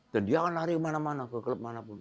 dan dia akan lari ke mana mana ke klub manapun